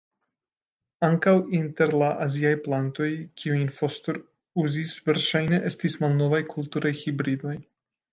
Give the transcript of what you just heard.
Ankaŭ inter la aziaj plantoj, kiujn Foster uzis verŝajne estis malnovaj kulturaj hibridoj.